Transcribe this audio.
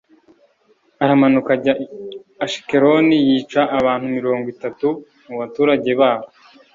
aramanuka ajya i ashikeloni yica abantu mirongo itatu mu baturage b'aho